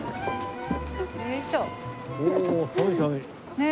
ねえ。